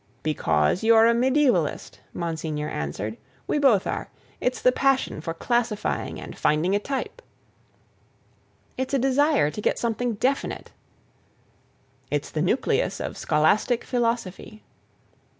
"Because you're a mediaevalist," Monsignor answered. "We both are. It's the passion for classifying and finding a type." "It's a desire to get something definite." "It's the nucleus of scholastic philosophy."